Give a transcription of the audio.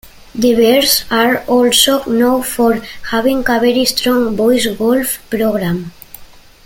The Bears are also known for having a very strong boys golf program.